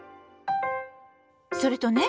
それとね